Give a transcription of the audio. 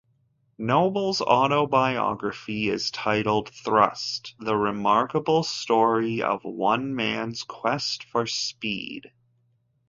Noble's autobiography is titled "Thrust: The Remarkable Story of One Man's Quest for Speed".